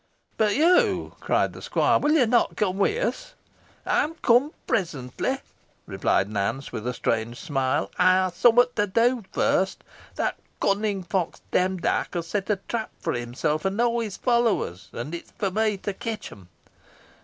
"But you!" cried the squire. "Will you not come with us?" "Ey'n come presently," replied Nance, with a strange smile. "Ey ha summat to do first. That cunning fox Demdike has set a trap fo' himsel an aw his followers, and it's fo' me to ketch 'em.